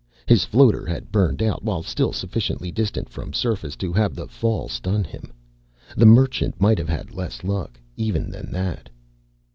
His Floater had burnt out while still sufficiently distant from surface to have the fall stun him. The Merchant might have had less luck, even, than that.